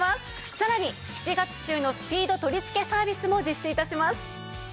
さらに７月中のスピード取付けサービスも実施致します。